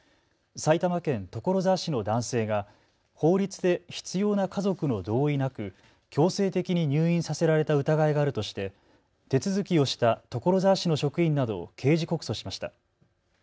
埼玉県所沢市の男性が法律で必要な家族の同意なく強制的に入院させられた疑いがあるとして手続きをした所沢市の職員などを刑事告訴しました。